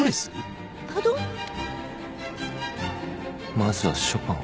まずはショパンか。